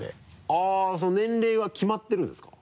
あっその年齢は決まってるんですか？